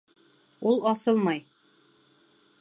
Ул асылмай!